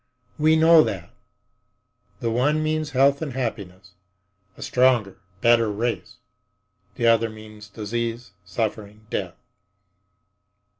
We know that. The one means health and happiness—a stronger, better race. The other means disease, suffering, death.